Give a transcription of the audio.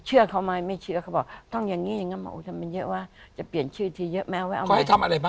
เชื่อเข้ามายไม่เชื่อเข้าบอกต้องอย่างนี้อย่างเงี่ยอย่างงั้นโอ้ยทำไมเยอะวะจะเปลี่ยนชื่อทีเยอะมั้ยเอาไว้เอาไว้